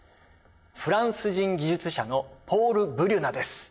フランス人技術者のポール・ブリュナです。